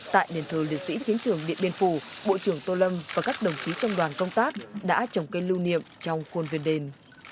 tại đền thờ liệt sĩ chiến trường điện biên phủ bộ trưởng tô lâm và các đồng chí trong đoàn công tác đã trồng cây lưu niệm trong khuôn viên đền